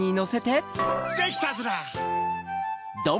できたヅラ！